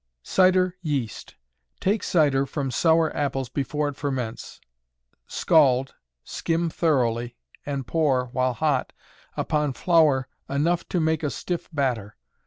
Cider Yeast. Take cider from sour apples before it ferments, scald, skim thoroughly, and pour, while hot, upon flour enough to make a stiff batter.